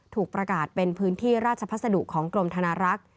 ถูกประกาศเป็นพื้นที่ราชพัสดุของกรมธนารักษ์